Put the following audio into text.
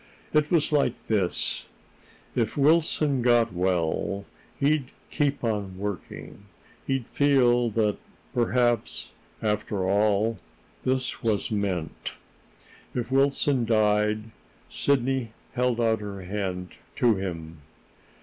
It was like this: if Wilson got well, he'd keep on working. He'd feel that, perhaps, after all, this was meant. If Wilson died Sidney held out her hand to him.